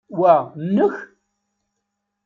Wa nnek?